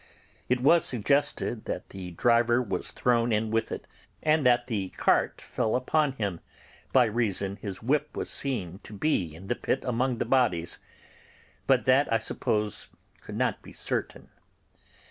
It was suggested that the driver was thrown in with it and that the cart fell upon him, by reason his whip was seen to be in the pit among the bodies; but that, I suppose, could not be certain.